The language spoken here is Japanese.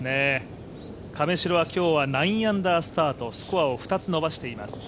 亀代は今日は９アンダースタートスコアを２つ伸ばしています。